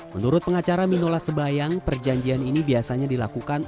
menurut pengacara minola sebayang perjanjian ini biasanya dilakukan